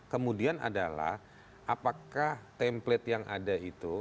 kemudian adalah apakah template yang ada itu